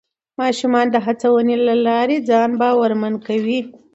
ماشومان د هڅونې له لارې ځان باورمن کوي